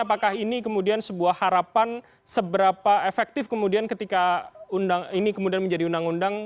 apakah ini kemudian sebuah harapan seberapa efektif kemudian ketika ini kemudian menjadi undang undang